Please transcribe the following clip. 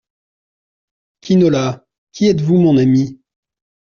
Quinola Qui êtes-vous, mon ami ?